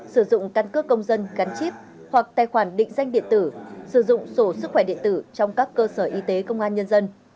sử dụng căn cước công dân gắn chip hoặc tài khoản định danh điện tử sử dụng sổ sức khỏe điện tử trong các cơ sở y tế công an nhân dân